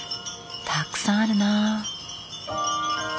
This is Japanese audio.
たくさんあるな。